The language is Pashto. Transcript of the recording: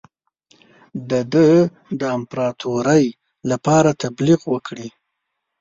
د ده د امپراطوری لپاره تبلیغ وکړي.